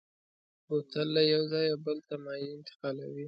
بوتل له یو ځایه بل ته مایع انتقالوي.